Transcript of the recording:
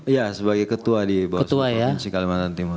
iya sebagai ketua di bawah seluruh provinsi kalimantan timur